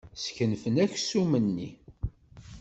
Skenfen aksum-nni.